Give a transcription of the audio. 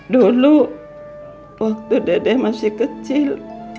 dulu waktu dede masih kecil